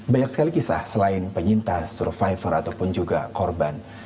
banyak sekali kisah selain penyintas survivor ataupun juga korban